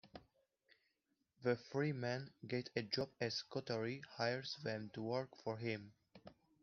The three men get a job as Kothari hires them to work for him.